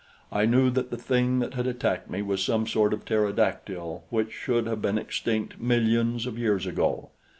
I knew that the thing that had attacked me was some sort of pterodactyl which should have been extinct millions of years ago.